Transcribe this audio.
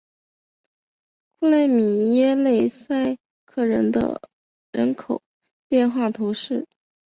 库勒米耶勒塞克人口变化图示